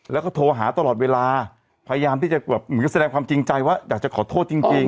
แล้วก็โทรหาตลอดเวลาพยายามที่จะแบบเหมือนแสดงความจริงใจว่าอยากจะขอโทษจริง